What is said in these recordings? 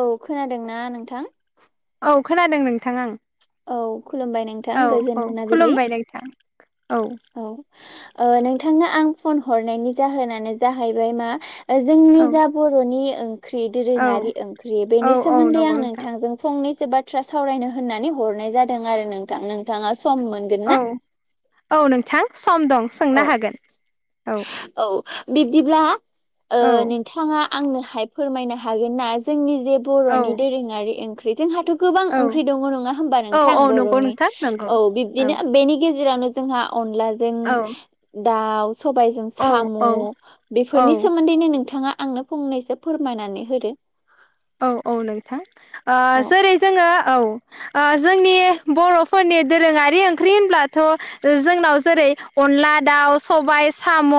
औ खोनादों ना नोंथां? औ खोनादों नोंथां आं। औ खुलुमबाय नोंथां औ औ गोजोन मोनाबिलि। खुलुमबाय नोंथां औ औ नोंथांनो ओ आं फन हरनायनि जाहोनानो जाहैबाय मा ओ जोंनि औ जा बर'नि ओंख्रि औ दोरोङारि ओंख्रि औ बेनि औ सोमोन्दै नंगौ आं नोंथां नोंथांजों फंनै हो बाथ्रा सावरायनो होननानै हरनाय जादों आरो नोंथां। नोंथाङा सम मोनगोन औ ना? औ नोंथां सम दं सोंनो औ हागोन औ औ। बिब्दिब्ला ओ औ नोंथाङा आंनोहाय फोरमायनो हागोन ना जोंनि जे औ बर'नि दोरोङारि ओं जोंहाथ' गोबां औ ओंख्रि दङ' नङा होमबा औ नोंथां औ नंगौ बर'नि। नोंथां नंगौ औ औ बिब्दिनो बेनि गे जेरावनो जोंहा अनलाजों औ दाउ सबायजों औ साम' औ बेफोरनि औ सोमोन्दैनो नोंथाङा आंनो फंनैसो फोरमायनानै होदो। औ औ नोंथां ओ औ जोरै जोङो औ। ओ जोंनि बर'फोरनि दोरोङारि ओंख्रि होनब्लाथ' जोंनाव जोरै अनला दाउ सबाइ साम'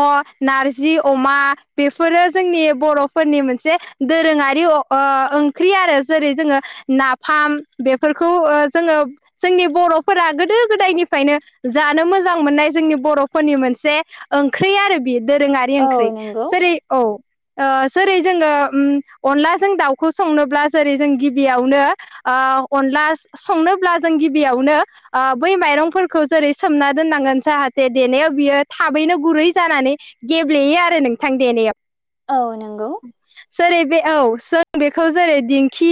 नार्जि अमा बेफोरो जोंनि बर'फोर नि मोनसे दोरोङारि अ ओ ओंख्रि आरो जोरै जोङो नाफाम बेफोरखौ ओ जोङो जोंनि बर र'फोरा गोदो गोदायनिफ्रायनो जानो मोजां मोननाय जोंनि बर'फोरनि मोनसे ओंख्रि आरो बियो दोरोङारि औ ओंख्रि नंगौ जोरै औ ओ जोरै जोङो उम अनला जों दाउखौ संनोब्ला जोरै जों गिबियावनो ओ अनला संनोब्ला जों गिबियाव नो ओ बै माइरंफोरखौ जोरै सोमना दोननांगोन जाहाथे देनायाव बियो थाबैनो गुरै जा - जानानै गेब्लेयो आरो नोंथां देनायाव। औ नंगौ। सोरै बे औ। जों बेखौ जोरै दिंखि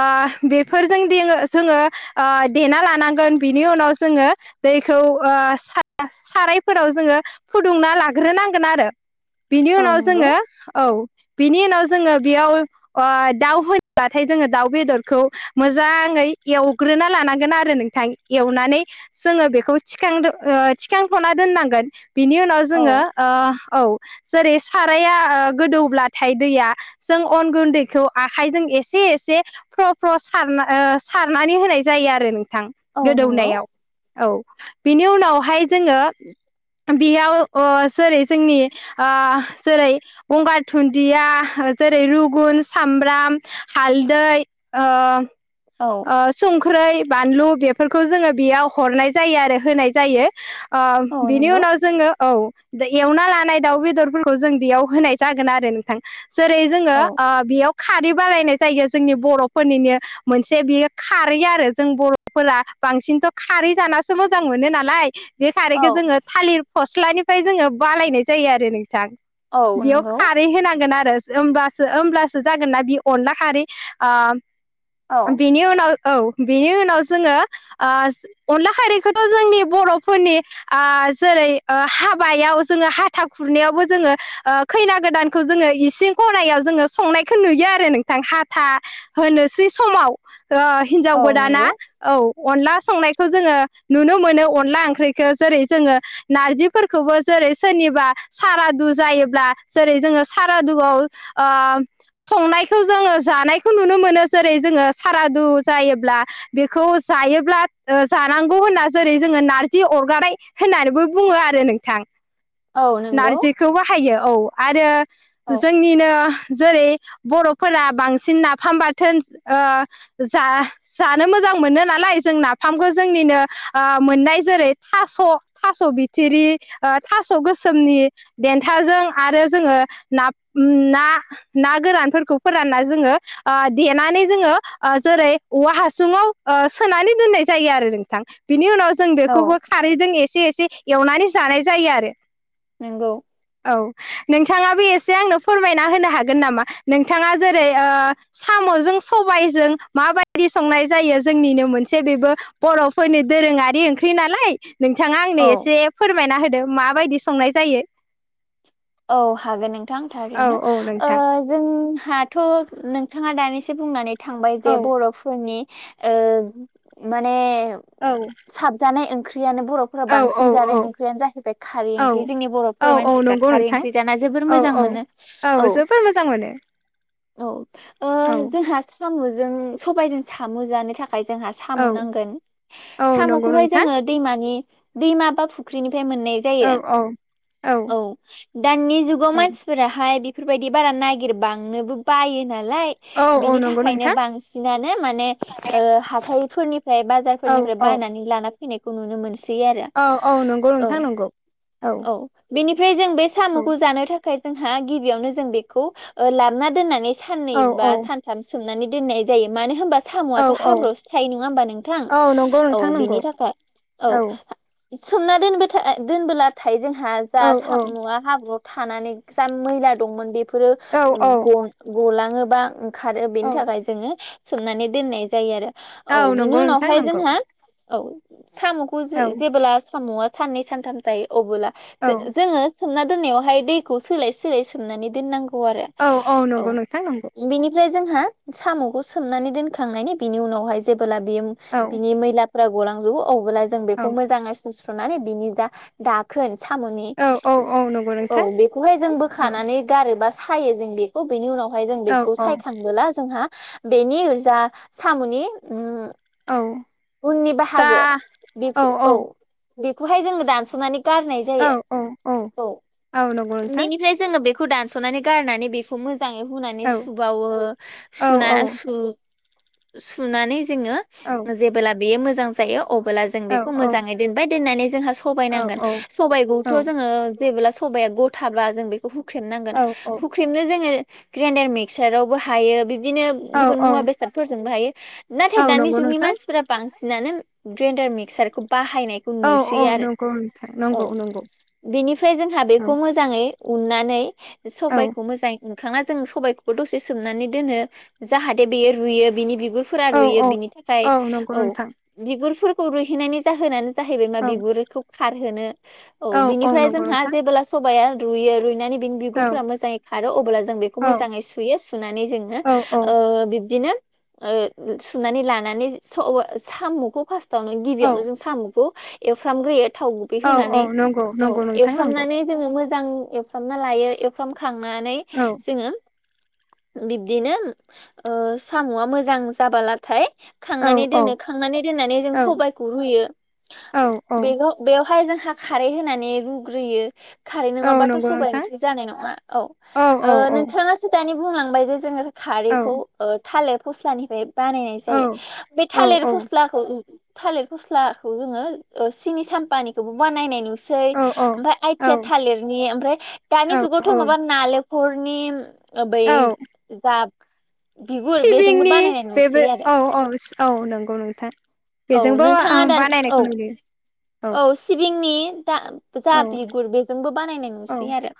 ओ बेफोरजों दिङो जोङो ओ देना लाना [unintelligible] गोन बेनि उनाव जोङो दैखौ ओ सा-सारायफोराव जोङो फुदुंना ला लाग्रोनांगोन आरो बिनि औ उनाव नंगौ जोङो औ बिनि उनाव जोङो बेयाव अ दाउ होनोबाथाय जोङो दाउ बेदरखौ मोजाङै एवग्रोना लानांगोन आरो नों थां एवनानै जोङो बेखौ थिखांदो ओ थिखांथ'ना दोननांगोन। बिनि उनाव औ जोङो ओ औ जोरै साराया गोदौब्लाथाय दैया जों अन गुन्दै खौ आखायजों एसे एसे फ्र फ्र सारना ओ सारनानै होनाय जायो आरो नों थां औ नंगौ गोदौनायाव औ बिनि उनावहाय जोङो बेयाव ओ जोरै जोंनि ओ जोरै गंगार धुनदिया जोरै रुगुन्स सामब्राम हालदै ओ औ ओ सुं ख्रै बानलु बेफोरखौ जोङो बेयाव हरनाय जायो आरो होनाय जायो। ओ औ बिनि नंगौ उनाव जोङो औ दा एवना लानाय दाउ बेदरफोरखौ जों बेयाव होनाय जागोन आरो नोंथां जोरै जोङो औ ओ बेयाव खारै बारायनाय जायो जोंनि बर'फोरनिनो मोन से बियो खारै आरो जों बर'फोरा बांसिनथ' खारै जानासो मोजां मोनो नालाय। बे औ खारैखो जोङो थालिर फस्लानिफ्राय जोङो बालायनाय जायो आरो नोंथां। औ बेयाव नंगौ खारै होनांगोन आर [unintelligible] ओमबासो ओमब्लासो जागोन ना बि अनला खारै औ ओ बिनि उनाव औ बेनि उनाव जोङो ओ अनला खारैखौथ' जोंनि बर'फोरनि ओ जेरै ओ हाबायाव जोङो हाथा खुरनायावबो जोङो ओ खैना गोदानखौ जोङो इ सिं खनायाव जोङो संनायखौ नुयो आरो नोंथां हाथा होनोसै समाव ओ हिन्जाव औ गोदाना नंगौ औ अनला संनायखौ जोङो नुनो मोनो अनला ओंख्रिखो जोरै जोङो नार्जिफोरखौबो जों जोरै सोरनिबा सारादु जायोब्ला जोरै जोङो सारादुआव ओ संनायखौ जोङो जानायखौ नुनो मोनो जोरै जोङो सारादु जायोब्ला बेखौ जायोब्ला ओ जानांगौ होनना जोरै जोङो ना जि अरगारनाय होननानैबो बुङो आरो नोंथां। औ [inaudible] नंगौ नार्जिखौ बाहायो औ आरो औ जोंनिनो जोरै बर'फोरा बांसिन नाफाम बाथोन ओ जा जानो मोजां मोनो नालाय जों नाफामखो जोंनिनो ओ मोननाय जोरै थास' थास' बिथिरि ओ थास' गोसोमनि देन्थाजों आरो जोङो नाफ ना ना गोरानफोरखौ फोरानना जोङो ओ देनानै जोङो ओ जोरै अवा हासुङाव ओ सोनानै दोननाय जायो आरो नोंथां बिनि उनाव जों औ बेखौबो खारैजों एसे एसे एवनानै जानाय जायो आरो। नंगौ औ नोंथाङाबो एसे आंनो फोरमायना होनो हागोन नामा नोंथाङा जोरै ओ साम'जों सबाइजों माबादि संनाय जायो जोंनिनो मोनसे बेबो बर'फोरनि दो दोरोङारि ओंख्रि नालाय नोंथाङा औ आंनो एसे फोरमायना होदो माबायदि संनाय जायो। औ हागोन नोंथां औ थारैनो‌। औ ओ नोंथां जों हाथ' नोंथाङा दानिसो बुंनानै थांबाय जे औ बर'फोरनि ओ माने औ साबजानाय ओं ओंख्रियानो बर'फोरनाव औ औ बांसिन जानाय ओंख्रियानो जाहैबाय खारै औ ओंख्रि जोंनि बर'फोर औ औ मानसिफ्रा। नंगौ खारै नोंथां ओंख्रि जाना जोबोर औ मोजां औ मोनो औ। जोबोर मोजां मोनो औ। ओ औ जोंहा साम'जों सबायजों साम' जानो थाखाय खाय जोंहि साम' औ नांगोन औ नंगौ सामखौहाय नोंथां जोङो दैमानि दैमा बा फुख्रिनि फ्राय मोननाय औ जायो। औ औ। दानि जुगाव औ मानसिफोराहाय बेफोरबायदि बारा नागिरबांनोबो बायो नालाय, औ औ बिनि नंगौ नोंथां थाखायनो बांसिनानो माने ओ हाथाइफोरनिफ्राय बाजारफोरनिफ्राय औ निफ्राय औ बायनानै लाना फैनायखौ नुनो मोनसै। आरो औ औ नंगौ औ नोंथां नंगौ औ। बेनिफ्राय जों बे औ साम'खौ जानो थाखाय जोंहा गिबियावनो जों बेखौ लाबोना दोननानै साननै औ बा औ सानथाम सोमनानै दोननाय जायो। मानो होनबा औ साम'आथ' औ हाब्र'आवसो थायो नङा होमबा नोंथां। औ नंगौ औ नोंथां नंगौ बेनि थाखाय। औ। सोमना दोन दोनबोलाथाय जोंहा जा औ औ सामुवा हाब्रु थानानै जा मैला दंमोन बेफोरो औ औ ग गलाङोबा खारो औ बेनि थाखाय जोङो सोमनानै दोननाय जायो आरो। औ नंगौ बिनि नोंथां उनावहाय नंगौ जोंहा औ साम'खौ औ जेब्ला साम'आ साननै सानथाम जायो अबोब्ला औ जोङो सोमना दोननायावहाय दैखौ सोलाय सोलाय सोमनानै दोननांगौ। आरो औ औ नंगौ नोंथां नंगौ बेनिफ्राय जोंहा साम'खौ सोमनानै दोनखांनायनि बिनि उनावहाय जेबोला बे औ बिनि मैला फुरा गलांजोबो अब्ला जों औ बेखौ मोजाङै सुस्र'नानै बिनि जा दाखोन सामनि औ औ औ नंगौ औ नोंथां बेखौहाय जों औ बोखानानै गारोबा सायो जों बेखौ बेनि उनाव ओमफ्राय जों औ बेखौ औ सायखांबोला जोंहा बेनि जा साम'नि उम औ उननि जा बाहागो बे औ। बेखौहाय जोङो दानस'नानै गारनाय औ जायो‌ औ औ नंगौ औ नोंथां बेनिफ्राय जोङो बेखौ दानस'नानै गारनानै बेखौ मोजाङै हुनानै औ सुबावो। औ सुना औ सु सुनानै जोङो औ जेबोब्ला बेयो मोजां जायो अ ब्ला जों औ बेखौ औ मोजाङै दोनबाय दोननानै जोंहा सबाय औ नांगोन औ सबायखौथ' जोङो। जेबोब्ला सबाया गथाबा जों बेखौ हुख्रेमनांगोन। हुख्रेमनो जोङो ग्रेन्डार मिक्सारावबो हायो बिदिनो औ गुबुन मुवा बेसादफोरजोंबो हायो। नाथाय औ दानि नंगौ जुगनि नोंथां मानसिफोरा बांसिनानो ग्रेडार मिक्सारखौ बाहायनायखौ औ नुसै औ आरो नंगौ नोंथां औ। नंगौ नंगौ बेनिफ्राय जोंहा औ बेखौ मोजाङै उननानै औ सबायखौ मोजाङै उनखाना जों सबबायखौबो दसे सोमनानै दोनो जाहाथे बेयो रुइयो। बिनि बिगुरफोरा औ रुइयो औ बिनि थाखाय नंगौ औ नोंथां बिगुरफोरखौ रुहोनानै जाहोनानो जाहैबाय मा औ बिबुरैखौ खारहोनो औ बिनिफ्राय जोंहा जेबोब्ला सबाया रुइयो रुइनानै बिन औ बिगुरफोरा मोजाङै खारो अब्ला जों बेखौ औ मोजाङै सुयो सुनानै जोङो औ औ बिबदिनो ओ सुनानै लानानै सामुखौ फार्स्टावनो औ गिबियावनो जों सामुखौ एवफ्रामग्रोयो थाव गुबै औ होनानै औ नंगौ औ नंगौ नोंथां नंगौ एवफ्रामनानै जोङो मोजां एवफ्रामना लायो एवफ्रामखांनानै औ जोङो बिब्दिनो ओ साम'आ मोजां जाबालाथाय औ खांनानै औ दोनो खांनानै दोननानै जों औ सबाइखौ रुयो। औ औ बे बेवहाय जोंहा खारै होनानै रुग्रोयो। खारै औ नङाबाथ' नंगौ सबाइ नोंथां ओंख्रि जानाय नङा औ औ ओ औ नोंथाङासो दानि बुंलांबाय जे जोङो खारैखौ ओ थालिर फस्लानिफ्राय बानायनाय औ जायो बे औ थालिर औ फस्लाखौ थालिर फस्लाखौ जोङो सिनि सामपानिखौबो बानाय सै ओमफाय आइथिया थालिरनि ओफ्राय दानि जुगावथ' माबा नाले खरनि बै औ जा बिगुर बेजोंबो सिबिंनि बानायनाय बेबो नुसै आरो औ औ औ नंगौ नोंथां औ बेजोंबो नोंथाङा दा औ बानायनायखौ नुयो औ सिबिंनि औ जा बिगुर बेजोंबो बानायनाय औ नुसै आरो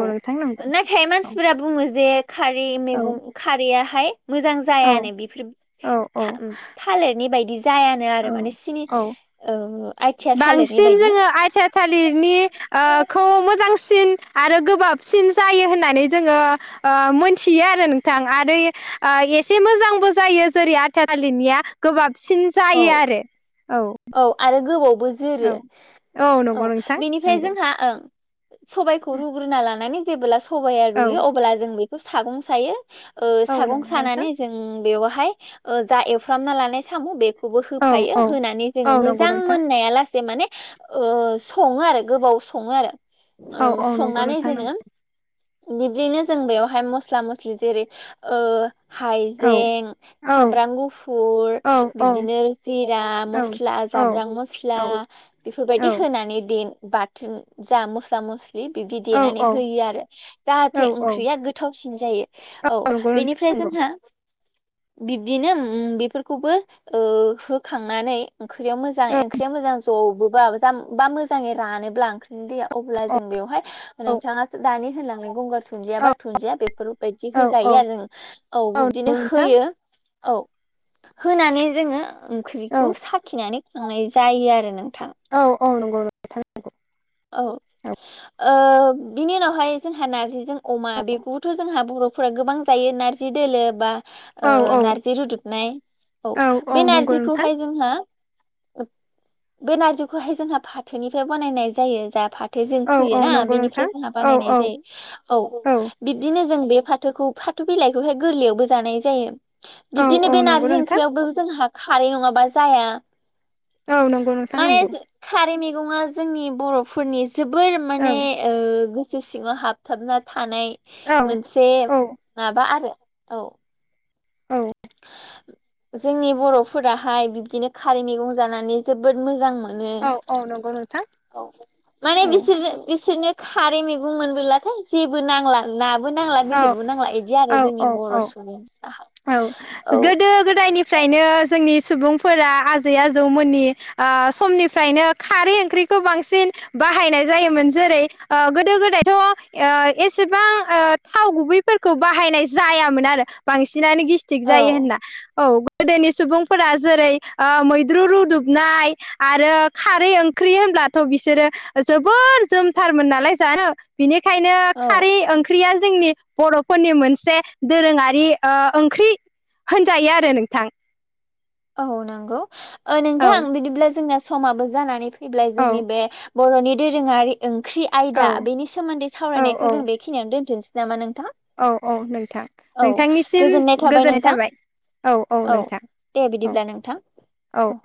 औ नोंथां नंगौ नाथाय औ मानसिफोरा बुङो जे खारै औ मैगं खारैयाहाय मोजां जायानो बेफोर औ औ थालिरनि बायदि बिदि जायानो औ आरो माने सिनि औ ओ आइथिया थालिरनि बांसिन बायदि जोङो आथिया थालिरनि ओ खौ मो। मोजांसिन आरो गोबाबसिन जायो होननानै जोङो ओ मोनथियो आरो नोंथां आरो एसे मोजांबो जायो जेरै आथिया थालिरनिआ गोबाब साबसिन औ जायो आरो औ। बो जोरो औ नंगौ औ नोंथां बेनिफ्राय नंगौ जोंहा ओं सबाइखौ रुग्रोना लानानै जेबोब्ला सबाया औ रुयो अब्ला जों बेखौ सागं सायो ओ औ सागं नंगौ नोंथां सानानै जों बेवहाय जा एवफ्रामना लानाय साम' बे खौबो औ होफायो औ होनानै औ जोङो नंगौ मोजां नोंथां मोननाया लासे माने ओ सङो आरो गोबाव सङो आरो। औ संनानै जोङो बिब्दिनो जों बेयावहाय मस्ला मस्लि जेरै ओ। नंगौ औ हायजें औ सामब्राम गुफुर औ बि बिदिनो जिरा औ मस्ला जाब्रां मस्ला औ बेफोरबायदि होनानै देन बाथोन जा मस्ला मस् बिबदि औ देनानै होयो आरो जाहाथे औ औ ओंख्रिया गोथावसिन जायो औ नंगौ बेनिफ्राय नोंथां नंगौ जोंहा बिब्दिनो ओं बेफोरखौबो ओ होखांनानै ओंख्रियाव मोजां ओंख्रिया मोजां जबोबा जा बा मोजाङै रानोब्ला ओंख्रिनि दैयाव। अब्ला औ जों बेवहाय औ नोंथाङाो दानि होनलांनाय गंगार दुन्दिया औ बा धुन्दिया बेफोरबायदि औ होजायो औ आरो औबो औ नंगौ बिबदिनो नोंथां होयो। औ होनानै जोङो औ ओंख्रिखौ साखिनानै खांनाय जायो आरो नोंथां औ औ नंगौ नोंथां नोंगौ । औ ओ बिनि उनावहाय जोंहा नारजिजों अमा बेखौबोथ' जोंहा बर'फोरा गोबां जायो नारजि दोलो बा ओ औ औ नार्जि रुदुबनाय औ बे नारजिखौहाय जोंहा बे नारजिखौहाय जोंहा फाथोनिफ्राय बानायनाय जायो जहा फाथो जों औ औ फैयोना नंगौ बेनिफ्राय नोंथां जोंहा औ बानायनाय औ जायो औ बिदिनो जों बे फाथोखौ फाथो' बिलाइखौहाय गोरलैयावबो जानाय जायो औ बिबदिनो औ बे नंगौ नारजि नोंथां ओंख्रियावबो जोंहा खारै नङाबा जाया औ नंगौ नोंथां माने नंगौ खारै नङा जोंनि बर'फोरनि जोबोर औ माने ओ गोसो सिङाव हाबथाबना हानाय औ मोनसे औ माबा आरो औ। औ जोंनि बर'फोराहाय बिब्दिनो खारै मैगं जानानै जोबोद मोजां मोनो । औ औ नंगौ नोंथां मोनो औ माने औ बिसोरनो बिसोरनो खारै मैगं मोनबोलाथाय जेबो नांला ना बो नांला औ बेदरबो नांला इदि आरो औ जोंनि औ औ बर'सुबुंफोरा औ गोदो गोदायनिफ्रायनो जोंनि सुबुं फोरा आजै आजौमोननि ओ समनिफ्रायनो खारै ओंख्रिखौ बांसिन बाहायनाय जारोमोन जेरै ओ गोदायथ' एसेबां ओ थाव गुबै बाहाय बाहायनाय जायामोन आरो बांसिनानो गेस्तिग जायो औ होनना औ । गोदोनि सुबुंफोरा जेरै ओ मैद्रु रुदुबनाय आरो खारै ओंख्रि होन ब्लाथ' बिसोरो जोबोर जोमथारमोन नालाय जानो बेनि बेखायनो औ खारै ओंख्रिया जोंनि बर'फोरनि मोनसे दोरोङारि ओ ओंख्रि होनजायो आरो नोंथां । औ नंगौ औ नोंथां बिदिब्ला जोंना समाबो जानानैै फैब्लाय औ जोंनि बे बर'नि दोरोङारि ओंख्रि औ आयदा बेनि सोमोन्दै औ औ सावरायनायखौ जों बेखिनिनो दोनथोंनोसै नामा नों औ औ नोंथां नोंथांनिसिम गोजोननाय थाबाय औ औ नोंथां । दे बिदिब्ला नोंथां औ